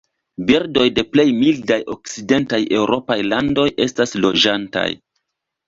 Birdoj de plej mildaj okcidentaj eŭropaj landoj estas loĝantaj.